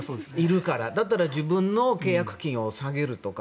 だったら自分の契約金を下げるとか。